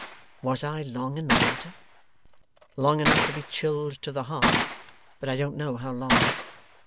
'Was I long in the water? Long enough to be chilled to the heart, but I don't know how long.